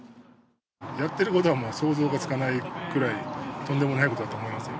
やっていることは想像がつかないくらい、とんでもないことだと思いますよ。